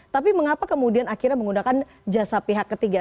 tapi mengapa kemudian akhirnya menggunakan jasa pihak ketiga